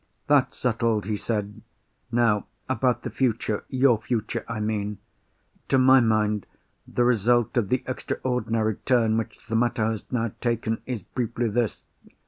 "That's settled!" he said. "Now, about the future—your future, I mean. To my mind, the result of the extraordinary turn which the matter has now taken is briefly this.